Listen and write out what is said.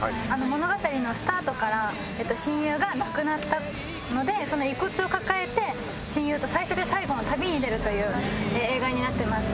物語のスタートから親友が亡くなったのでその遺骨を抱えて親友と最初で最後の旅に出るという映画になってます。